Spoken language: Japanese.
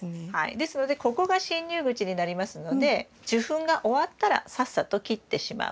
ですのでここが進入口になりますので受粉が終わったらさっさと切ってしまう。